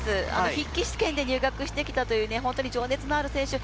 筆記試験で入学してきたという情熱のある選手。